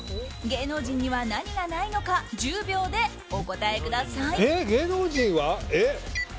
芸能人には何がないのか１０秒でお答えください。